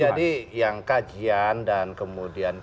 jadi yang kajian dan kemudian